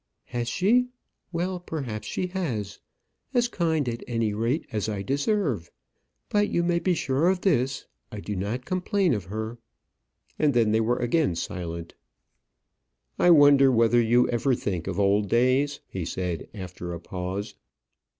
"Has she? Well, perhaps she has as kind, at any rate, as I deserve. But you may be sure of this I do not complain of her." And then they were again silent. "I wonder whether you ever think of old days?" he said, after a pause.